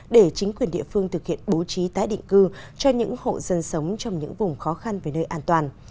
để chính quyền địa phương thực hiện bố trí tái định cư cho những hộ dân sống trong những vùng khó khăn về nơi an toàn